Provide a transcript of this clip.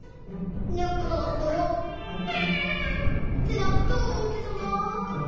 ねこだったら「にゃ」ってなくとおもうけどなぁ。